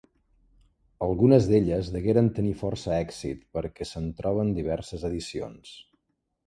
Algunes d'elles degueren tenir força èxit perquè se'n troben diverses edicions.